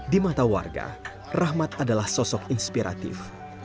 di mata warga rahmat adalah sosok inspiratif